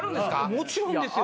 もちろんですよ。